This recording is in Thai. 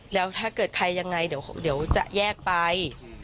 แล้วถ้าเกิดใครยังไงเดี๋ยวจะแยกไป